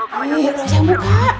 mami aku aja yang buka